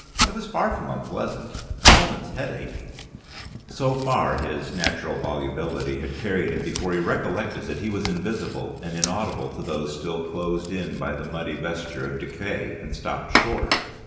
It was far from unpleasant, a moment's headache " So far his natural volubility had carried him before he recollected that he was invisible and inaudible to those still closed in by the muddy vesture of decay, and stopped short.